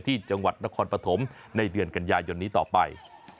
จังหวัดนครปฐมในเดือนกันยายนนี้ต่อไป